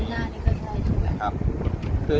พี่พอแล้วพี่พอแล้ว